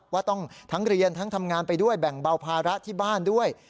ว่าต้องทั้งเรียนทั้งทำงานไปด้วยแบ่งเบาภาระที่บ้านด้วย